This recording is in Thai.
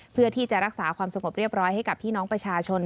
เพื่อที่จะรักษาความสงบเรียบร้อยให้กับพี่น้องประชาชน